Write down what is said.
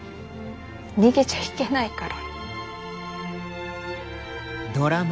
逃げちゃいけないから。